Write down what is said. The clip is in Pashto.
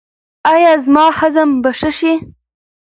ایا زما هضم به ښه شي؟